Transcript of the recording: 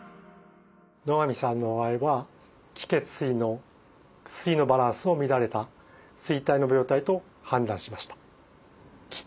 野上さんの場合は「気・血・水」の「水」のバランスの乱れた「水滞」の病態と判断しました。